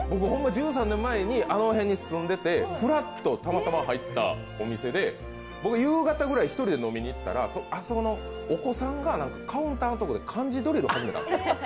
１３年前にあの辺に住んでてプラッとたまたま入ったお店で、僕、夕方ぐらい１人で飲みに行ったら、お子さんがカウンターんとこで漢字ドリル始めたんです。